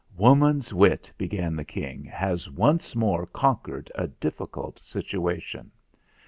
"Woman's wit," began the King, "has once more conquered a difficult situation.